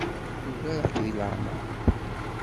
Ugareɣ-k deg leɛmeṛ.